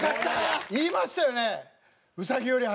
言いましたよね？